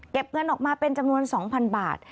เงินออกมาเป็นจำนวน๒๐๐๐บาท